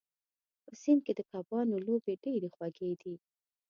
په سیند کې د کبانو لوبې ډېرې خوږې دي.